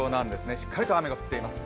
しっかりと雨が降っています。